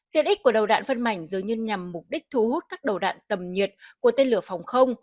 tiện ích của đầu đạn phân mảnh dưới nhằm mục đích thu hút các đầu đạn tầm nhiệt của tên lửa phòng không